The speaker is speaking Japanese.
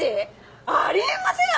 ⁉あり得ません！